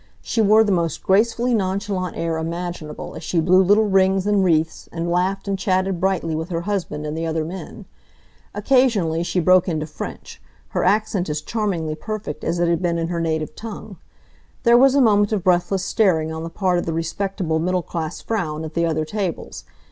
She wore the most gracefully nonchalant air imaginable as she blew little rings and wreaths, and laughed and chatted brightly with her husband and the other men. Occasionally she broke into French, her accent as charmingly perfect as it had been in her native tongue. There was a moment of breathless staring on the part of the respectable middle class Frauen at the other tables.